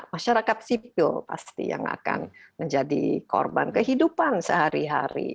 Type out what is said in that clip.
masyarakat sipil pasti yang akan menjadi korban kehidupan sehari hari